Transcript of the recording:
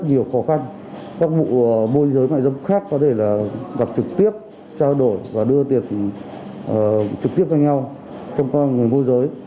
nhiều khó khăn các vụ môi giới mại dâm khác có thể là gặp trực tiếp trao đổi và đưa tiền trực tiếp cho nhau trong con người môi giới